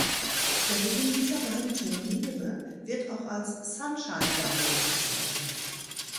Der Gewinn dieser beiden Turniere wird auch als "Sunshine-Double" bezeichnet.